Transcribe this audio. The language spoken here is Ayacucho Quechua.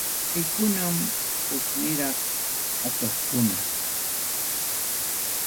Kaykunam hukniraq atuqkuna.